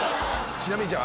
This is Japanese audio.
ちなみにじゃあ。